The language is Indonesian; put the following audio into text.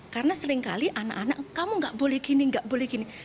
karena seringkali anak anak kamu nggak boleh gini nggak boleh gini